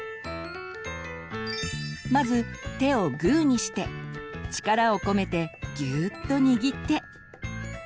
まず手をグーにして力をこめてギューッと握って。